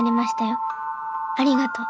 ありがとう。